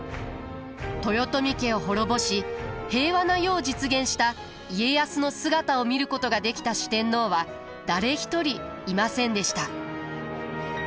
豊臣家を滅ぼし平和な世を実現した家康の姿を見ることができた四天王は誰一人いませんでした。